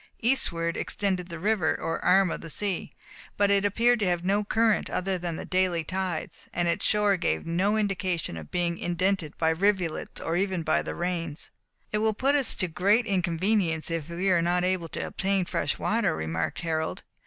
Eastward extended the river, or arm of the sea, but it appeared to have no current, other than the daily tides, and its shore gave no indication of being indented by rivulets, or even by the rains. "It will put us to great inconvenience if we are not able to obtain fresh water," remarked Harold.